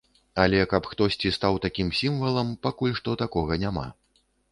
Але, каб хтосьці стаў такім сімвалам, пакуль што такога няма.